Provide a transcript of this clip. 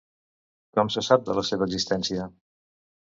Com se sap de la seva existència?